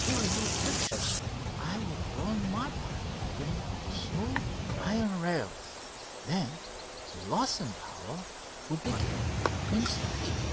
"To relieve friction I would run my power waggon on smooth iron rails, then the loss in power would be gained in speed."